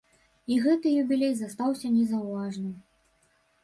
І гэты юбілей застаўся незаўважаным.